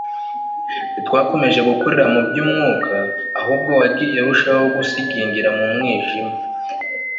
ntiwakomeje gukurira mu by'umwuka, ahubwo wagiye urushaho gusigingirira mu mwijima